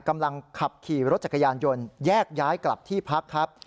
กำลังขับขี่รถจักรยานยนต์แยกย้ายกลับที่พักครับ